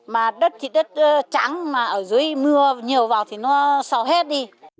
mà đất thì đất trắng mà ở dưới mưa nhiều vào thì nó sò hết đi